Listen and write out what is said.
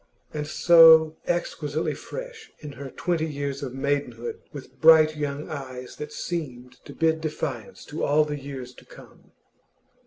And so exquisitely fresh in her twenty years of maidenhood, with bright young eyes that seemed to bid defiance to all the years to come.